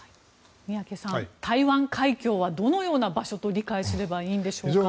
宮家さん、台湾海峡はどのような場所と理解すればいいのでしょうか。